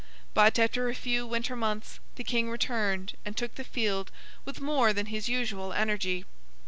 But, after a few winter months, the King returned, and took the field with more than his usual energy.